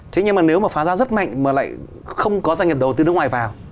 thế nhưng mà nếu mà phá giá rất mạnh mà lại không có doanh nghiệp đầu tư nước ngoài vào